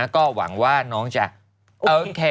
ก็หวังว่าน้องจะโอเค